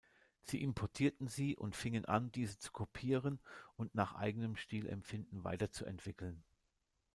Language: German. Sie importierten sie und fingen an, diese zu kopieren und nach eigenem Stilempfinden weiterzuentwickeln.